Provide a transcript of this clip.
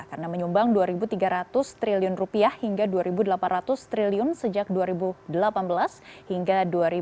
karena menyumbang rp dua tiga ratus triliun hingga rp dua delapan ratus triliun sejak dua ribu delapan belas hingga dua ribu dua puluh dua